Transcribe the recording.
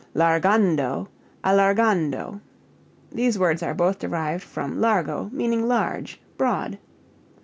Largando, allargando. These words are both derived from largo, meaning large, broad.